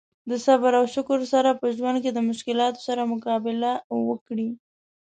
د صبر او شکر سره په ژوند کې د مشکلاتو سره مقابله وکړي.